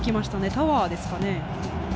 タワーですかね。